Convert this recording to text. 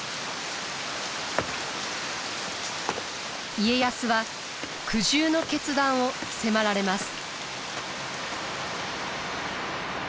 家康は苦渋の決断を迫られます。